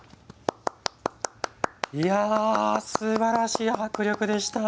すばらしい迫力でした。